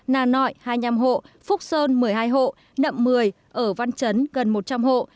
nà nội hai mươi năm hộ phúc sơn một mươi hai hộ nậm mười ở văn trấn gần một trăm linh hộ